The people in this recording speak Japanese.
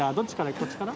こっちから？